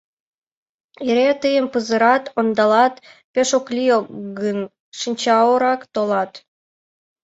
Эре тыйым пызырат, ондалат, пеш ок лий гын, шинчаорак толат.